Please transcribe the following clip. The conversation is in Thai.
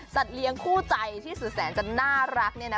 สัตว์เลี้ยงคู่ใจที่สุดแสนจะน่ารักเนี่ยนะ